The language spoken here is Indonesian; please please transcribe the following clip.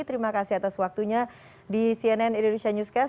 terima kasih atas waktunya di cnn indonesia newscast